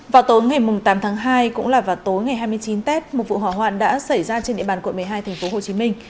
vào tối ngày tám tháng hai cũng là vào tối ngày hai mươi chín tết một vụ hỏa hoạn đã xảy ra trên địa bàn quận một mươi hai tp hcm